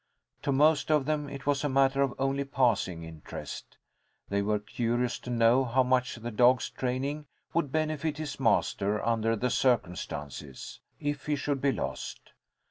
To most of them it was a matter of only passing interest. They were curious to know how much the dog's training would benefit his master, under the circumstances, if he should be lost.